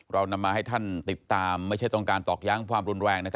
เรานำมาให้ท่านติดตามไม่ใช่ต้องการตอกย้ำความรุนแรง